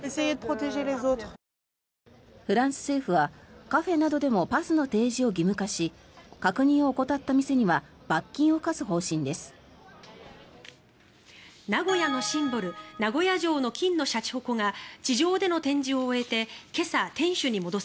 フランス政府はカフェなどでもパスの提示を義務化し確認を怠った店には罰金を科す方針です。